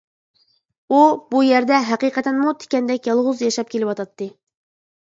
ئۇ بۇ يەردە ھەقىقەتەنمۇ تىكەندەك يالغۇز ياشاپ كېلىۋاتاتتى.